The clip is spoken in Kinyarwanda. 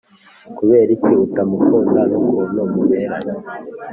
kuberiki utamukunda nukuntu muberanye